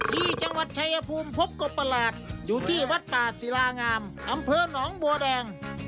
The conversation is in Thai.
ที่จังหวัดชายภูมิพบกบประหลาดอยู่ที่วัดป่าศิลางามอำเภอหนองบัวแดง